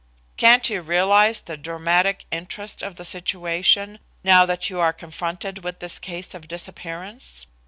Can't you realise the dramatic interest of the situation now that you are confronted with this case of disappearance?